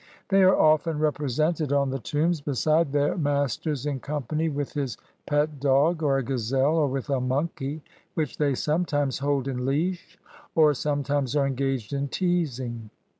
They are often represented on the tombs beside their masters in company with his pet dog, or a gazelle, or with a monkey which they sometimes hold in leash, or sometimes are engaged in teasing.